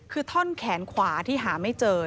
คือท่อนแขนขวาที่หาไม่เจอ